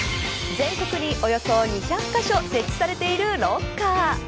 全国におよそ２００カ所設置されているロッカー。